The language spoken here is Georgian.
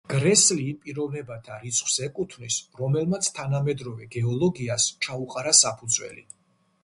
გრესლი იმ პიროვნებათა რიცხვს ეკუთვნის, რომელმაც თანამედროვე გეოლოგიას ჩაუყარა საფუძველი.